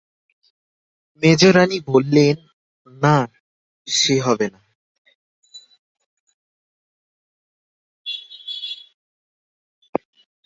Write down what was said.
মেজোরানী বললেন, না, সে হবে না।